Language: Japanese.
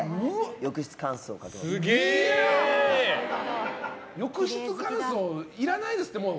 浴室乾燥、いらないですって。